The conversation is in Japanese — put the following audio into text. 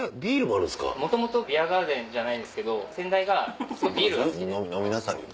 もともとビアガーデンじゃないんですけど先代がすごいビールが好きで。